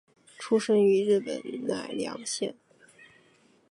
出身于日本奈良县。